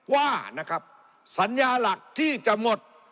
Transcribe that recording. ว่านะครับสัญญาหลักที่จะหมด